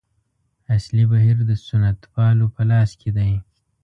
اصلي بهیر د سنتپالو په لاس کې دی.